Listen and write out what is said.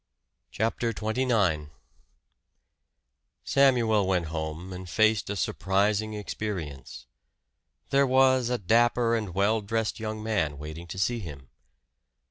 CHAPTER XXIX Samuel went home and faced a surprising experience. There was a dapper and well dressed young man waiting to see him.